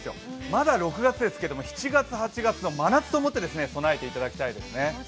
まだ６月ですけども、７月、８月の真夏と思って備えていただきたいですね。